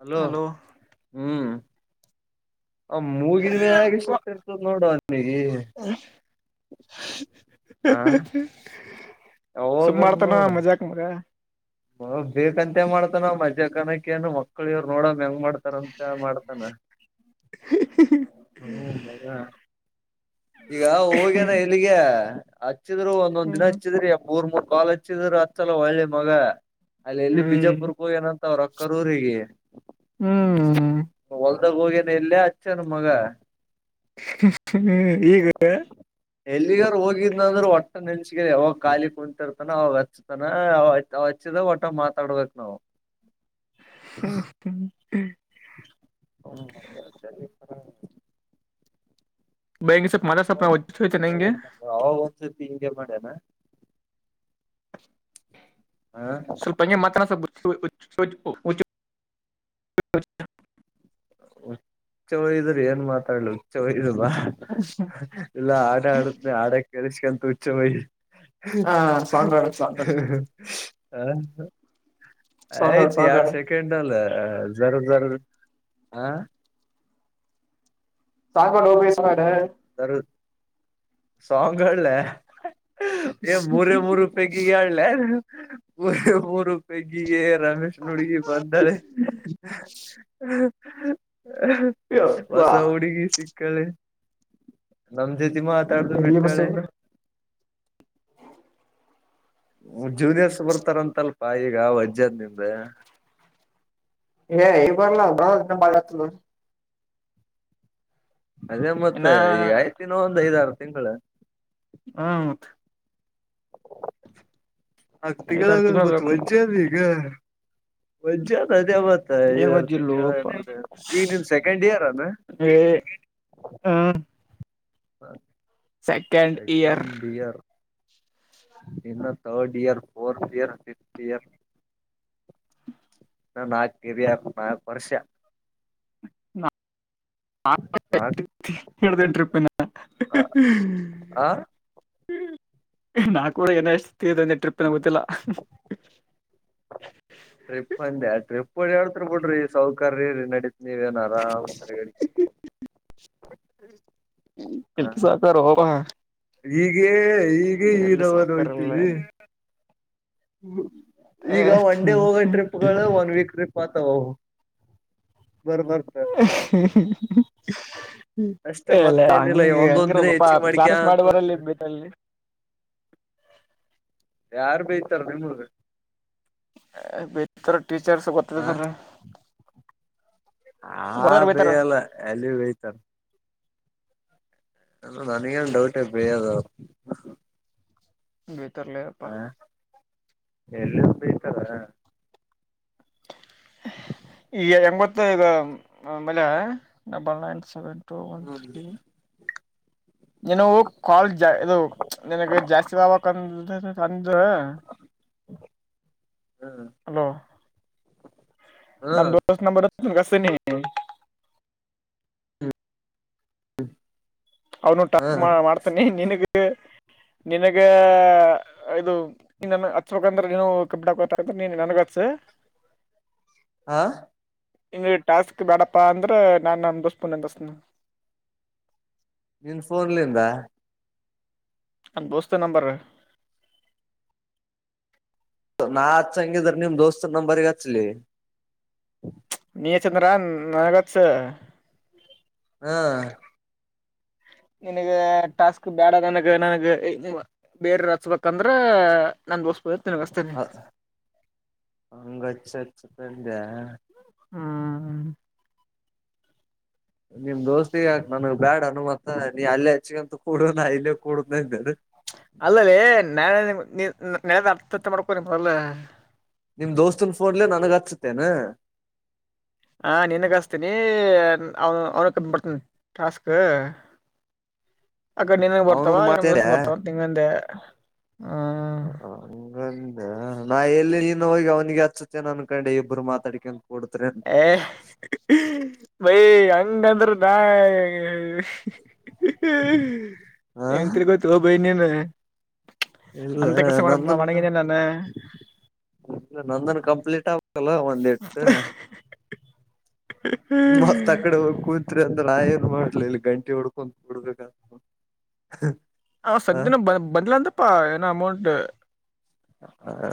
Hello ಹ್ಮ್ ಆ ಮೂಗಿನ ಮ್ಯಾಗೆ ಸಿಟ್ಟ್ ಇರ್ತದ ನೋಡೊ ಅಲ್ಲಿ. [inaudible] ಸುಮ್ ಮಾಡ್ತಾನ ಮಜಾಕ್ ಮಗ. [unintelligible] ಬೇಕಂತೇ ಮಾಡ್ತನವ್ ಮಜಕನಕ್ಕ ಏನ್ ಮಕ್ಳ ಇವ್ರು ನೋಡಮ್ ಹೆಂಗ್ ಮಾಡ ತರಂತ ಮಾಡ್ತಾನ. ಹ್ಮ ಮಗ ಈಗ ಹೋಗ್ಯನ ಹ್ಮ್ ಎಲ್ಲಿಗೆ. ಹಚ್ಚಿದ್ರು ಒಂದೊಂದ್ ದಿನ ಹ್ಮ್ ಹಚ್ಚಿದ್ರಿ ಮೂರ್ ಮೂರ್ ಕಾಲ್ ಹಚ್ಚಿದ್ರು ಹಚ್ಚಲ ಹೊಳ್ಳಿ ಮಗ. ಅಲ್ಲೆಲ್ಲಿ ಹ್ಮ್ ಬಿಜಾಪುರ್ಗ ಹೋಗ್ಯನಂತ ಅವ್ರ ಅಕ್ಕರೂರಿಗಿ. ಹ್ಮ್ ಅದಾಗ [unintelligible] ಹೋಗೇನ ಎಲ್ಲೇ ಹಚ್ಚ್ಯಾನ್ ಮಗ. ಹ್ಮ ಈಗ ಎಲ್ಲಿಗಾರ ಹೋಗಿದ್ನಂದ್ರ ಒಟ್ಟ ನೆನ್ಸಿಗೆ ಯಾವಾಗ ಖಾಲಿ ಕುಂತಿರ್ತಾನ ಅವಾಗ ಹಚ್ತಾನ [unintelligible] ಹಚ್ಚಿದಾಗ ಒಟ್ಟ ಮಾತಾಡ್ಬೇಕ ನಾವು. ಸ [unintelligible] ಹ್ಮ [unintelligible] [unintelligible] ಅವಾಗ ಹೆಂಗೆ [unintelligible] ಮಾಡ್ಯನಾ. ಹ ಸ್ವಲ್ಪ ಹಂಗೆ [unintelligible] ಮಾತಾನ ಸ್ವಲ್ಪ [unintelligible] [unintelligible] ಚಲೋ ಇದ್ರ ಏನ್ ಮಾತಾಡ್ಲು ಚಲೋ ಇದ್ ಇಲ್ಲ ಆಡ ಆಡನೆ ಆಡಕ್ ಕರ್ಸ್ಕಂತು [unintelligible] ಹುಚ್ಚ ಹಯ ಹಾ ಸಾಂಗ್ ಹಾಡು ಸಾಂಗ್ ಹಾಡು ಹ [unintelligible] ಸಾಂಗ್ ಹಾಡು ಆಯ್ತ್ ಸಾಂಗ್ ಯಾಡ್ ಹಾಡು ಸೆಕೆಂಡಲ್ಲಿ ಜರ ಜರ ಹ. ಸಾಕೋ ನೋ ಇಸ್ ಮಾಡೆ ಜರ ಸಾಂಗ್ ಹಾಡ್ಲ್ಯ. ಏ ಮುರೆ ಮುರು ಪೆಗ್ಗಿಗೆ ಹಾಡ್ಲೇನು ಮುರೆ ಮೂರು ಪೈಗ್ಗಿಗೆ. ರಮೇಶನುಡಿಗೆ ಬಂದರೆೆ. ಯಪ್ಪಾ ಹೊಸ ಹುಡುಗಿ ಸಿಕ್ಕಳೆ ನಮ್ ಜತೆ ಇಲ್ಲಿ [unintelligible] ಮಾತಾಡದು ಎಲ್ಲಿ ಬಿಟ್ಟಳೆ. ಬಸ್ಸಂದ್ರ ಜೂನಿಯರ್ಸ್ ಬರ್ತಾರಂತಲ್ಪಾ ಈಗ ವಜ್ಜದ ನಿಂದ. ಏ ಇಲ್ ಬರ್ಲಾ [unintelligible] ಬರ [unintelligible] ಬಾಗಲು ಅದೇ ಮತ್ತ ಇನ್ನ ಈಗ ಆಯ್ತಿನ ಒಂದ್ ಐದಾರ ತಿಂಗಳ. ಹ್ಮ ಮತ್. ನಾಕ್ ತಿಂಗಳ ಐದಾರು ಆಗ್ಯದ ಮತ್ತ ಬೇಕು ವಜ್ಜ ಅದ ಈಗ ವಜ್ಜೆ ಅದ ತ್ತ ಡು [unintelligible] ಅವತ್ತ ಏನ್ ಐದಾರ ತಿಂಗಳ ಓದಿಲ್ಲೋಪಾ ಅಂದ್ರೆ ಏನು ಈಗ ನಿನ್ ಸೆಕೆಂಡ್ ಇಯರ್ ಅನ ಹ್ಮ ಹಾ ಸೆಕೆಂಡ್ ಇಯರ್. ಇನ್ನು third year fourth year fifth year. ಇನ [unintelligible] ಕೆರಿಿಯರ್ ನಾಕ ವರ್ಷ. ಹ ನಾಕ್ ಹೇಳಡ್ದ [unintelligible] ಟ್ರಿಪಿನ್ ಆ ಹ್ಮ್ ನಾಕುವರಿ [unintelligible] ಕೂಡ ಹೀನ ಎಸ್ಟ್ [unintelligible] ಷ್ಟತ್ದಂದೆ ಟ್ರಿಪ್ಪಿನ್ ಗೊತ್ತಿಲ್ಲ. ಟ್ರಿಪ್ ಅಂದ್ಯಾ ಟ್ರಿಪ್ ಒಡ್ಯ್ಯಾಡ್ತೀರಿ ಬಿಡ್ರಿ ಸೌಕರಿ ರೀ ನಡೀತ್ ನೀವ ಏನ್ ಆರಾಮ್ [unintelligible] ಎಲ್ ಸೌಕಾರೋಪ. ಈಗೆ ಈಗೆ ಈ ನಮನ್ ಸಾವಕಾರಲ್ಲ ಹೋಯ್ತಿದಿ. ಈಗ ಒನ್ ಡೇ ಹೋಗೋ ಇಲ್ಲ ಟ್ರಿಪ್ಗಳು ಒನ್ ವೀಕ್ ಟ್ರಿಪ್ ಆತಾವವು. ಇಇಇ ಹ್ ಅಷ್ಟೇ ಎಲ್ಲೇ ಮತ್ತೇನಿಲ್ಲ ಹಂಗಿ ಒಂದೊಂದ್ ದಿನ ಹೆಂಗಿರಲ್ಪ ಹೆಚ್ಚಿಗೆ ಕ್ಲ್ಯಾನಿಸ ಮಾಡಿಕ್ಯಾಂತ ಮಾಡುವರಲ್ಲಿ ಹೋಗ್ತೀರಿ ಬಟಲ್ಲಿ. [unintelligible] [inaudible] ಯಾರ್ ಬೈತಾರ ನಿಮಗ ಹೇ ಭಿತರ ಟೀಚರ್ಸ್ ಗೊತ್ತೀದಿದರ ಹ ಬೇಯಲ್ಲ ಎಲ್ಲಿ ಬೇಯ್ತಾರ ಅಲ್ಲ ನನಗೇನ್ ಡೌಟ್ ಇಲ್ಲ ಬೈಯದವರು ಬೈತಾರ ಲೇ ಅಪ್ಪ ಎಲ್ಲಿಂದ ಬೈತಾರ ಏನ್ ಹೆಂಗ ಗೊತ್ತ ಈಗ ನಂಬಲಿ ನಾ ಬಂದಾಗಿಂದ ಸ್ ಟು ಒನ್ ಹ್ಮ್ ಸ್ಟಿ ನಿನವು ಕಾಲ್ ಜಾ ಅದು ನಿನಗ ಜಾಸ್ತಿ ಅದಾವ್ ಕಮ್ಮಿ ಅದ್ ದ ಅ [unintelligible] ಹಲೋ ನಮ್ಮ ಹ್ಮ್ ದೋಸ್ತ ನಂಬರ ಗಸ ನೀ ಹ್ಮ ಅವನು ಟಕ್ ಮಾಡ್ತಾನಿ ನಿನಗ ನಿನಗ ಇದು ನನ್ ಹಚ್ಬೇಕಂದ್ರೆ ನೀನು ಕಬಾ ನನಗ ಹಚ್ಸ ಹ ಹಾ ನಿಂಗ್ ಟಾಸ್ಕ್ ಬೇಡಪ್ಪಾ ಅಂದ್ರೆ ನಾನ ಅನ್ ಬಸ್ಪಂತಸ್ನ ನಿನ್ ಫೋನ್ಲಿಂದ ಅಬೋಸ್ತನ್ ನಂಬರ್ ನಾ ಹಚ್ಚಂಗಿದ್ರ ನಿಮ್ ದೋಸ್ತನ್ ನಂಬರ್ಗ ಹಚ್ಚಲಿ ನೀ ಹಚ್ಚಿದ್ರ ನನಗ್ ಹಚ್ಚ ಹ ನಿನಗ ಟಾಸ್ಕ್ ಬೇಡ ನನಗ ನನಗ ಬೇರೆ ಹಚ್ಬೇಕಂದ್ರ ನನ್ ದೋಸ್ ಅ ಹಂಗಚ್ಚಚ್ಚತ್ದ ಹ್ಮ್ ನಿಮ್ ದೋಸ್ತಿಗ ನನ್ಗ್ ಬ್ಯಾಡ್ ಹನುಮಂತ ನೀ ಅಲ್ಲೇ ಹಚ್ಚಗಂತು ಕೂಡ ನ ಇಲ್ಲೇ ಕೂಡುದನ ಅಂದೆನ ಅಲ್ಲಲೇ ನಾಳೆ ನಿಮಗ ನಾ ನೀ ಅರ್ಥ ಅಥ ಮಾಡ್ಕೊ ನೀ ಮೊದಲ ನಿಮ್ ದೋಸ್ತನ್ ಫೋನ್ ಲೇ ನನಗ ಹಚ್ಚುತ್ತೇನೆ ಹ ನಿನಗ ಹಚತ್ತೀನಿ ಅವನು ಅವ್ನ ಕಬಡ್ತನಿ ಟಾಸ್ಕ್ ಆಕಡೆ ನಿನ್ನಗ ಬರ್ತಾವ ಅವನು ಇ ನಮ್ ಮಾತಾಡ ದೋಸ್ತ ಗ ಬರ್ತವ ಹಿಂಗ ಅಂದೆ ಹ ಹಿಂಗ ಅಂದೆ ಹ ನಾ ಎಲ್ಲಿ ನೀನು ಹೋಗಿ ಅವನಿಗೆ ಹಚ್ಚತೀನಿ ಅನ್ಕೊಂಡೆ ಇಬ್ಬರು ಮಾತಾಡ್ಕ ಕೊಡ್ತರೇನ ರೀ ಹಂಗಂದ್ರೆ ನಾ ಆ ಎಂಗ ತ್ರಿ ಬೈ ತಗೋ ಬೈ ಇನ್ನೇನ ಇಲ್ಲ ನಂದನಕ್ಕ ನಾನ ಇ ನಂದನ್ ಕಂಪ್ಲೀಟ್ ಆಗ್ಬಾಕಲ್ಲ ಒಂದಟ್ಟು ಮತ್ತ ಆ ಕಡೆ ಹೋಗಿ ಕೂತ್ರಿಲ ಅ ನಾ ಏನ್ ಮಾಡ್ಲ ಇಲ್ಲಿ ಗಂಟಿ ಹೊಡ್ಕೊತ್ ಕೂಡಬೇಕತ್ ಆವಾ ಸಧ್ಯನೇ ಬ ಬಂದಿಲ ಅಂತಪ್ಪಾ ಏನೋ ಅಮೌಂಟ್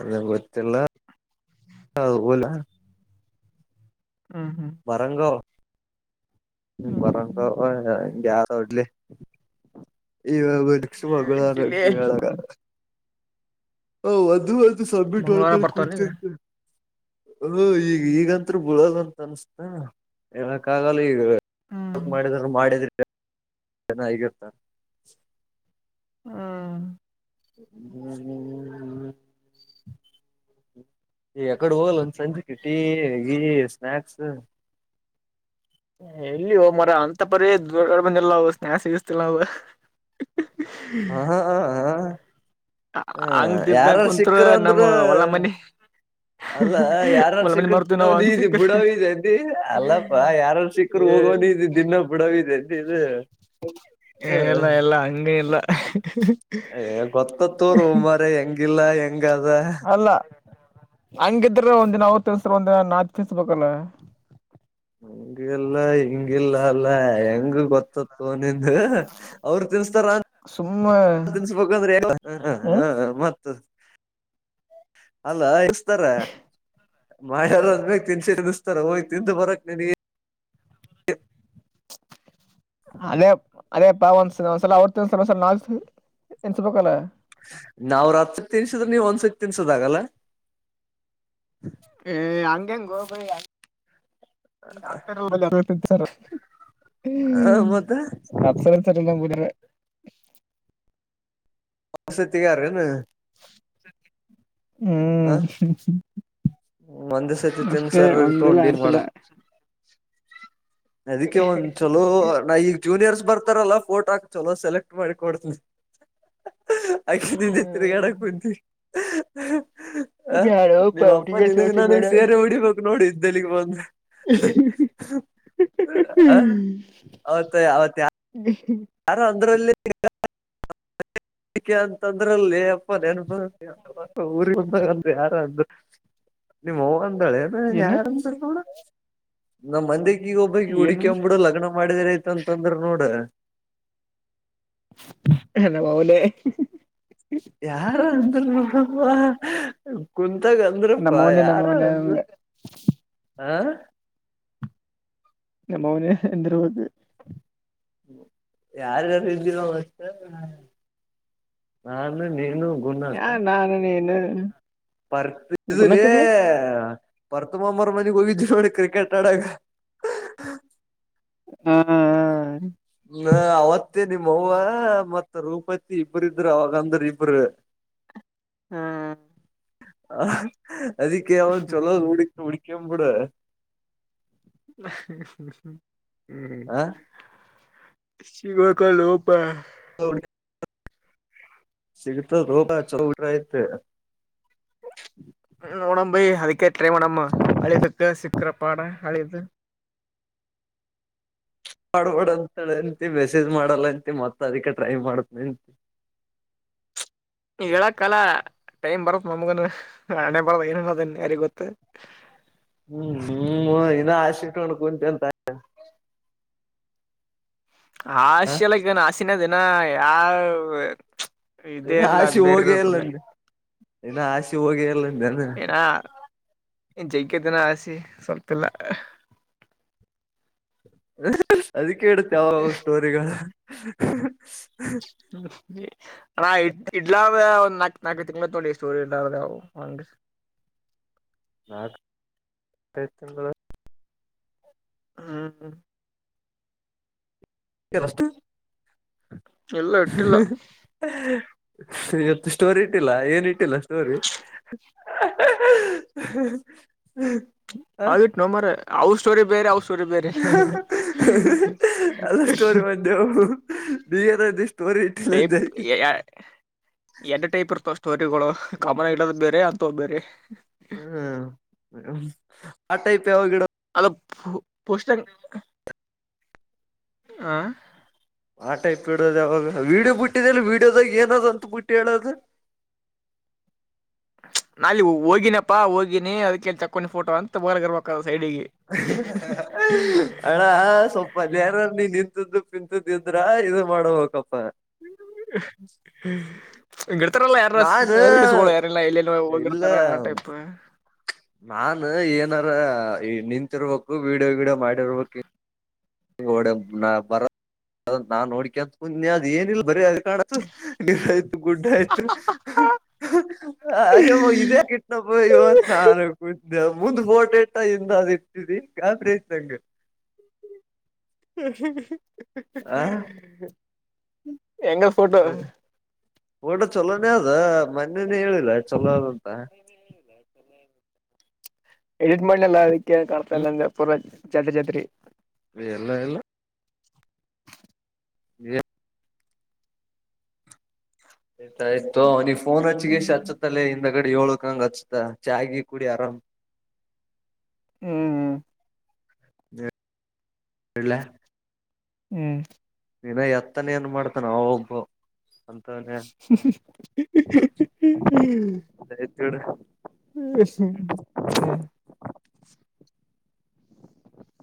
ಅದ ಗೊತ್ತಿಲ ಅದ ಹೋಲಿ ಹ್ಮ್ ಹ್ಮ್ ವರಂಗವ ಹ್ಮ್ ಬರಂವ ಹ್ಮ್ ಗ ಯಾರ ಒಡ್ಲಿ ಈ ಮಗಳ ಡಿಲೇ ಆರೋಗ್ಯಳಗ [unintelligible] ಸಬ್ಮಿಟ್ ಮಂಗಳವಾರ ಮಾಡ್ಕೊಳಕ್ ಬರ್ತಾವನ ಈಗ ಕುಂತ್ತಿದ್ದೆ ಹ ಈಗ ಈಗಂತ್ರು ಬಿಳದಂತ ಅನ್ಸ್ತ ಹೇಳಕ್ ಆಗಲ್ಲ ಈಗ ಹ್ಮ್ ತಪ್ಪ್ ಮಾಡಿದರ ಮಾಡಿದ ಚೆನ್ನಾಗಿಗತ್ತ ಹ್ಮ ಹ ಎಕಡೆ ಹೋಗಲ್ಲ ಸಂಜೆ ಕ ಟೀ ಹಗಿ ಸ್ನಾಕ್ಸ್ ಎಲ್ಲಿ ಹೋ ಮರ ಅಂತ ಪರಿ ದೊಡ್ಡೆ ಬಂದಿಲ್ಲವು ಸ್ನಾಯಕ್ಸ್ ಸಿಗಸ್ತಿಲ್ಲ ನವು ಹ ಹಾ ಹಾ ಹಾ ಹ ಹಂಗ್ ತಿನ್ಕ ಯಾರಾರ ಕುಂತ್ರ ಸಿಕ್ಕರು ಅಂದ್ರ ನಮ್ ಹೊಲ ಮನಿ ಅಲ್ಲ ಯಾರಾರ ಹೊಲ ಮನಿ ಸಿಕ್ಕರು ಮರ್ತೀವಿ ನಾವ್ ತಿನ್ನದಿ ಹಂಗ್ ಸಿಕ್ಕ್ರ ಬುಡವ ಅದಿ ಅಲ್ಲಪಾ ಯಾರನ್ ಸಿಕ್ಕರು ಏ ಹೋಗ ಇ ದಿನ ಬಿಡಾವಿದೆ ಇ ಹ ಇಲ್ಲ ಇಲ್ಲ ಹಂಗೇನಿಲ್ಲ ಗೊತ್ತತ್ತುೂ ರ ಮರ ಹೆಂಗಿಲ್ಲ ಹೆಂಗ ಅದ ಅಲ್ಲ ಹಂಗಿದ್ರೆ ಒಂದ್ ದಿನ ಅವತ್ ತಿರ್ಸ್ರ ಒಂದಿನ ನಾು ತಿಿಸಬೇಕಲ್ಲ ಹಂಗಲ್ಲ ಹಿಂಗಿಲ್ಲ ಅಲ್ಲ ಹೆಂಗ ಗೊತ್ತತ್ತು ನಿ ಅವರು ತಿನ್ಿಸತಾರ ಸುಮ್ಮ ತಿನ್ಸ್ಬೇಕ ಅಂದ್ರೆ ಎ ಹ್ಮ ಹ ಮ ಅಲ್ಲ ಇಸ್ತಾರ ಮಾಡೆಲ್ಲದ್ ಬೇ ತಿನ್ಸಿಿಸ್ತಾರ ಹೋಗಯ ತಿಂತ ಬರಕ್ ನೀನ್ ಅದೇ ಅದೇಪ್ಪಾ ಒಂದ ಒಂದ್ಸಲ ಅವ್ರ ತಿಸಲ ಒಂದಲ ನಾ ಎನ್ಸಬೇಕಲ್ಲ ನಾವವು ರಾತ್ರಿ ತಿನ್ಸಿದ್ರೆ ನೀವು್ ಒಂದಸಕ್ ತಿನ್ಸದ ಆಾಗಲ್ಲ ಏ ಹಂಗಂಗ ಗೋಬ ಆ ಮತ್ತೆ ಅಪ್ಸರ ಸರ ಎಲ್ಲೂ ಅವಸತಿಗಾರನು ಹ ಹ್ಮ್ ಒಂದೇ ಸತಿ ಅಷ್ಟೇ ತಿನ್ಸಾರ ಒಂದಲ್ಲ ತಗೊಂಡ್ ಏನ್ ಎಡ್ಸಲ ಮಾಡದ್ ಅದಕ್ಕೆ ಒಂದ್ ಚಲೋ ನಾ ಈಗ ಜೂನಿಯರ್ಸ್ ಬರ್ ಈ ತರ ಎಲ್ಲಾ ಫೋಟೋ ಹಾಕ್ ಚಲೋ ಸೆಲೆಕ್ಟ್ ಮಾಡಿ ಕೊಡ್ತನಿ ಅಕ್ಕಿ ನಿ ಚತ್ರರಿಗಡ ಹ್ಮ್ ಕೊಂತ ಹ ಬ್ಯಾಡಪ್ಪ ನೀವ್ ಅಪ್ಪ ಹುಡುಗ ನಿನಗ್ ಸೋಸೆ ಬೇಡ ನನಗ್ ಸೇರೆ ಉಡಿಬೇಕು ನೋಡು ಇದ್ದಲ್ಲಿಗ್ ಬಂದು ಆ ಅವತ್ ಅವತ್ ಯ ಯಾರು ಅಂದ್ರಲ್ಲಿ ಅಿಕ ಅಂತಂದ್ರಲ್ಲಿ ಅಪ್ಪ ನೆನ್ಪ ಊ ಬಂದ ಯಾರ ನಿಮ್ಮ ಅಂದಾಳೆ ಏನ ಯಾರಂತ ನೋಣ ನಮ್ಮ್ ಮಂದಿಗ ಈಗ ಒಬ್ಬ ಹುಕ ಏನಂದ್ರ ಅಂಬಬ ಬಿಡು ಲಗ್ನ ಮಾಡಿದರಯತ ಅಂತಂದ್ರ ನೋಡ ಎಲ್ಲ ಬವುದೇ ಯಾರ ಅಂದ್ರರು ಮತ್ತಾಗಂದ್ರಪ್ಪಾ ನಮ್ಮವನೇ ಯಾರ ನಮ್ಮವನೇ ಅಂದ ಹ ನ ಮೌನ್ ಎಂದರ ಬಕ್ ಯಾರಾರು ಇದ್ದಿಲ್ಲಷ್ಟ ನಾನು ನೀ ಹಾ ನಾನು ನೀನು ಪರ್ತಲೆ ಗುಣಕದ್ಲ ಬರ್ತುಮ್ಮಂಬರ ಮನೆಗ್ ಹೋಗಿದ್ರು ನೋಡಿ ಕ್ರಿಕೆಟ್ ಆಡಾಗ ಹಾ ಹ ಅವತ್ತೇ ನಿಮ್ಮವ್ವ ಮತ್ತ್ ರೂಪತಿ ಇಬ್ಬರು ಇದರು ಅವಾಗ ಅಂದ್ರ ಇಬರು ಹ ಹ ಅದಕ್ಕೆನ್ ಹ್ಮ್ ಚಲ್ಲೋಡಿ ಉಡಿಿಕ ಬಿೂಡ ್ಮ್ಮ್ಮ ಹ್ಮ್ ಆ ಸಿಗ್ಬೇಕಲ್ಲ ಪ ಹೌ ಸಿಗ್ತದ ರೋಗ ಚಟಐತೆ ನೋಣಂಬೈಿ ಅದ ಕೇಟ್ರೀವ ನಮ್ಮ ಅಳದುಕ್ಕೆ ಸಕ್ಕ್ರ ಪಾಡ ಅಳದು ಮಾಡಬಡಂತಳಂತ ಮೆಸೇಜ್ ಮಾಡಲ್ಲ ಅಂತ ಮತ್ತತ್ ಅದಕ್ಕೆ ಟ್ರೈ ಮಾಡಂತ [inaudible] ಈ ಹೇಳ ಕಲ್ಲ ಟೈಮ್ ಬರತ್ ನಮಗನ್ ನಾನೆ ಬರದ ಏನರದನ್ ಯಾರಿ ಗೊತ್ತ ಹ್ಮ್ ಹ್ಮ್ ಇನ್ನ ಆಸೆ ಇಟ್ಕೊಂಡ್ ಕುಂತ ಅಂತ ಆ ಆಸೆ ಎಲ್ಲನ್ ಆಸಿನ ದಿನ ಯಾವ ಇದೇ ನೀನು ಎಲ್ಲ ಆಸೆ ಬೇರೆ ಹೋಗೇ ಇರೋದ ಅಲ್ಲ ಮೇಲೆ ನೀನು ಆಸೆ ಹೋಗಿ ಅಲ್ಲ ಏನ ಜೈಗದನ ಆಸಿ ಸಲ್ತಲ್ಲ ಅದ ಕುತ್ತ ಯಾವಾವ ಸ್ಟೋರಿಗಳು ಹ ಹಣ ಇ ಇಡ್ಲ ಒಂದ್ ನಾಕ್ ನಾಲ್ಕು ತಿಂಗ್ಳ ನೋಡಿ ಸ್ಟೋರಿ ಇವು ಹಂಗ [inaudible] ನಾಲ್ಕು ತಿಂಗಳು ಹ್ಮ್ [unintelligible] ಇಲ್ಲ ಇಟ್ಟಿಲ್ಲ ಹಾ ಹ ಇವತ್ತು ಸ್ಟೋರಿ ಇಟ್ಟಿಲ್ಲ ಏನ್ ಇಟ್ಟಿಲ್ಲ ಸ್ಟೋರಿ [inaudible] ಆ ಅವ ಇಟ್ನೊ ಮಾರಾಯ್ ಅವ ಸ್ಟೋರಿ ಬೇರೆ ಅವ ಸ್ಟೋರಿ ಬೇರೆ ಎಲ್ಲ ಸ್ಟೋರಿ ಬಂದೆವು ಬಏನ ಸ್ಟೋರಿ ಇಟ್ಟಿಲ್ಲಂದ [inaudible] [unintelligible] ಎರಡ್ ಟೈಪ್ ಇರ್ತಾವ ಸ್ಟೋರಿಗಳು ಕಾಮನ್ ಆಗಿ ಇಡೋದ್ ಬೇರೆ ಅಂತವ್ ಬೇರೆ ಹ್ಮ್ ಆ ಟೈಪ್ ಯಾವ ಗಿಡ ಪೋಸ್ ಆ ಆಟೈಪ್ ಇಡೋದು ಯಾವಾಗ ವೀಡಿಯೋ ಬಿಟ್ಟಿದೆಲ್ ವೀಡಿಯೋದಾಗ ಏನದ ಅಂತ ಬುಟ್ಟಿ ಹೇಳದು [inaudible] ನಾ ಅಲ್ಲಿ ಹೋಗಿನಪ್ಪಾ ಹೋಗಿನಿ ಅದಕ್ಕೆ ತಕ್ಕೊಂಡಿನಿ ಫೋಟೋ ಅಂತ ಬೋರಗರ್ಬೇಕ ಅಣ್ಣಾ ಸ್ವಲ್ಪ ಅಲ್ಲಿ ಯಾರೋ ನಿನ್ ಅಂತದ್ದು ಪಿಂತದ್ದು ಇದ್ರ ಇದು ಮಾಡಬೇಕಪ್ಪ ಹ್ಮ್ ಗಿಡ್ತಾರಲ್ಲ ಯಾರ ಸ ನಾನು ಸರಿಟಿಸ್ ಗೊಳ್ ಯಾರೆಲ್ಲ ಯಲ್ಲೆಲ್ಲಿ ಹೋಗಿರ್ತಾರ ಆ ಟೈಪ್ ನಾನ್ಏನಾರ ನಿಂತಿರ್ಬೇಕು ವಿಡಿಯೋ ವೀಡಿಯೋ ಮಾಡಿರ್ಬೇಕ್ ಹೊಡೋಗ್ ನಾ ಬರ ನಾನ್ ನೋಡ್ಕ್ಯಾಂತ ತುಂತಿನಿ ಅದ ಏನಿಲ್ಲ ಬರ ಕಸ ಆಯ್ತು ಗುಡ್ಡ ಆಯ್ತು ಅರೆೇಮ್ಮ ಇದೇ ಯಾಕ್ ಇಟ್ನಪ್ಪ ಅಂತ ನಾ ಅನಕುಂತಿನಿ ಮುಂದು ಫೋಟಾ ಇಟ್ಟ ಹಿಂದ ಅದು ಇಟ್ಟಿದಿ ಗಾಬರಿ ಆಯ್ತು ನಂಗ ಆ [inaudible] ಎಂಗ ಫೋಟೋ ಊಟ ಚೊಲೋನೇ ಅದ ಮನ್ನೇನೆೇ ಹೇಳಿಲ್ಲ ಚೊಲೋ ಆದ ಅಂತ ಎಡಿಟ್ ಮಾಡನೆಲ್ಲ ಅದಕ್ಕೆ ಕಾಣಡ್ತಾ ಇಲ್ಲಂದ ಪೂರ ಜಾತ್ರಿ ಜಾತ್ರಿ ಎಲ್ಲ ಎಲ್ಲ ಈ ಆಯ್ತಾಯ್ತು ನೀವು ಫೋನ್ ಹಚ್ಚಿಗೆಸಿ ಹ್ಮ್ ಹಚ್ಚುತ್ತಲ್ಲೇ ಇಂದ ಗಡಿ ಏಳಕ್ಕ ಅಂಗ ಹಚ್ಚತ್ಯಾ ಚಾ ಗೀ ಕುಡಿ ಅರಾಮ್ ಹ್ಮ್ ಹ್ಮ ಹ್ಮಇಡ್ಲ್ಯಾ ಹ್ಮ್ ಇನಾ ಎತ್ತನ ಏನ್ ಮಾಡ್ತಾನ ಅವ ಒಬ್ಬವ ಅಂತವನೇ ಆನ್ ಆಯ್ತು ಇಡು ಹ್ಮ್ಮ ಹಾ [inaudible] [unintelligible]